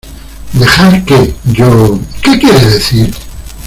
¿ Dejar qué? Yo... ¿ qué quieres decir ?